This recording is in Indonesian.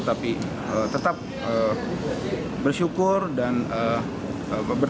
tetap bersyukur dan berterima kasih